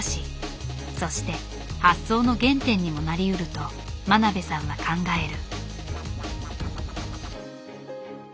そして発想の原点にもなりうると真鍋さんは考える。